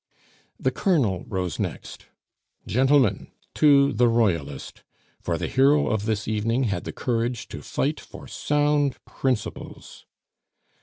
The colonel rose next. "Gentlemen, to the Royalist! for the hero of this evening had the courage to fight for sound principles!"